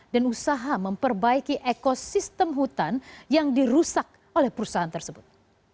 dan usaha memperbaiki ekosistem hutan yang dirusak oleh perusahaan tersebut